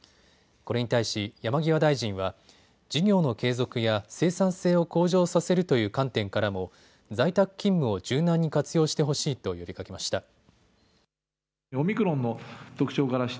これに対し、山際大臣は事業の継続や生産性を向上させるという観点からも在宅勤務を柔軟に活用してほしいと呼びかけました。